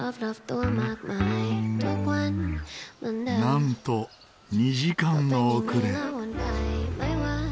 なんと２時間の遅れ。